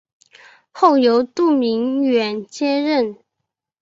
后由杜明远接任。